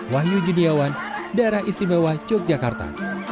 wahyu juniawan daerah istimewa yogyakarta